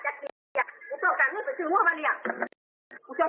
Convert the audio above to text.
กอไผ่กินเบาโหดพูด